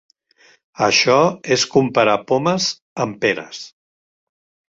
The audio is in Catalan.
Això és comparar pomes amb peres.